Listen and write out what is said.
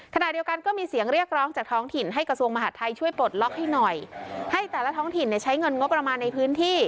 ขณะเดียวกันก็มีเสียงเรียกร้องจากท้องถิ่นให้กระทรวงมหาดไทยช่วยปลดล็อกให้หน่อยให้แต่ละท้องถิ่นเนี่ยใช้เงินงบประมาณในพื้นที่